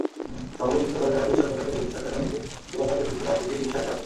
সভাপতিত্ব করেন আয়োজক সংগঠনের প্রতিষ্ঠাতা সভাপতি যুগাচার্য কৃষ্ণদাস জিসি বিশ্বাস জয়।